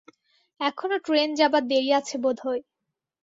এখনো ট্রেন যাবার দেরি আছে বোধ হয়।